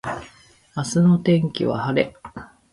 明日の天気は晴れ